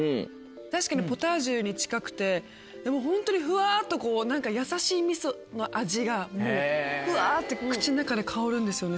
確かにポタージュに近くてホントにふわっとこう何かやさしいみその味がふわって口の中で香るんですよね